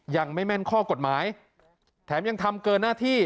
แม่นข้อกฎหมายแถมยังทำเกินหน้าที่